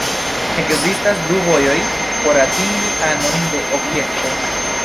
Ekzistas du vojoj por atingi anon de objekto.